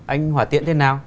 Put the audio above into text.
anh hỏa tiện thế nào